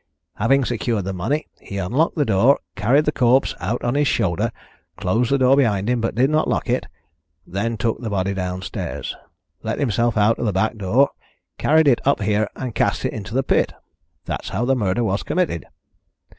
Having secured the money, he unlocked the door, carried the corpse out on his shoulder, closed the door behind him but did not lock it, then took the body downstairs, let himself out of the back door, carried it up here and cast it into the pit. That's how the murder was committed."